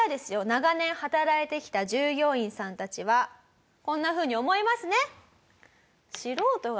長年働いてきた従業員さんたちはこんなふうに思いますね。